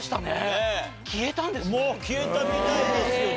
もう消えたみたいですよ辞書からは。